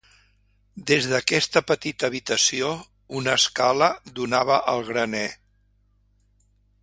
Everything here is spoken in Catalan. Des d'aquesta petita habitació, una escala donava al graner.